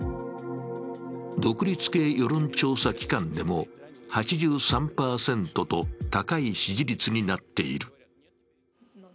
独立系世論調査機関でも８３％と高い支持率になっている。